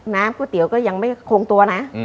ก๋วยเตี๋ยวก็ยังไม่คงตัวนะ